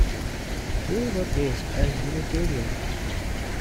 They were raised as Unitarian.